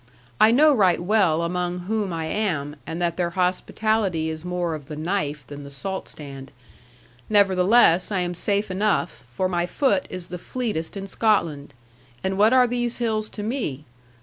I know right well among whom I am, and that their hospitality is more of the knife than the salt stand. Nevertheless I am safe enough, for my foot is the fleetest in Scotland, and what are these hills to me?